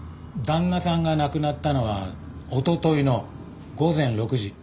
旦那さんが亡くなったのはおとといの午前６時。